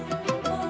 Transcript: nih aku tidur